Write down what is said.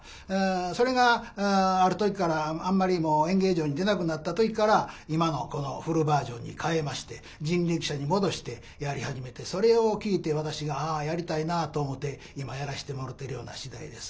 それがある時からあんまりもう演芸場に出なくなった時から今のこのフルバージョンに変えまして人力車に戻してやり始めてそれを聴いて私が「ああやりたいなあ」と思て今やらしてもろうてるような次第です。